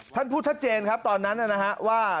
ท่านพูดชัดเจนตอนนั้นนะครับว่า